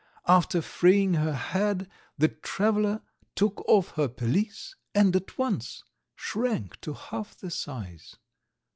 After freeing her head, the traveller took off her pelisse and at once shrank to half the size.